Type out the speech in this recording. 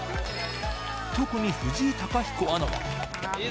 特に藤井貴彦アナは。